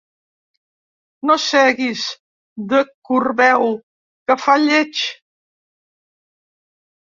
No seguis de corbeu, que fa lleig!